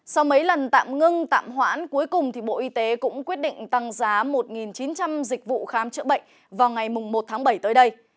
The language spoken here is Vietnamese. sau mấy lần tạm ngưng tạm hoãn cuối cùng bộ y tế cũng quyết định tăng giá một chín trăm linh dịch vụ khám chữa bệnh vào ngày một tháng bảy tới đây